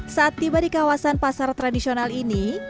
saat tiba di kawasan pasar tradisional ini